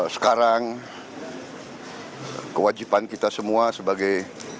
sekarang kewajiban kita semua sebagai